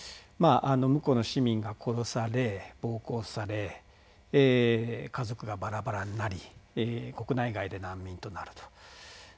無辜の市民が殺され暴行され、家族がバラバラになり国内外で難民となると。